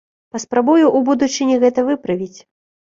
Паспрабую ў будучыні гэта выправіць.